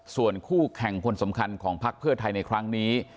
ส่วนคู่แข่งคนสำคัญของพักเพื่อไทยในครั้งนี้